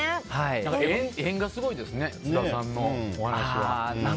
縁がすごいですね津田さんのお話は。